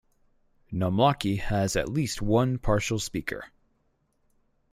Nomlaki has at least one partial speaker.